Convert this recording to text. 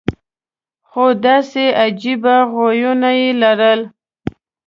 خو داسې عجیبه خویونه یې لرل.